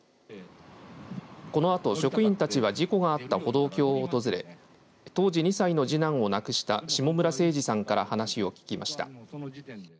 このあと職員たちは事故があった歩道橋を訪れ当時２歳の次男を亡くした下村誠治さんから話を聞きました。